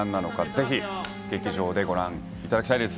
ぜひ劇場でご覧いただきたいです。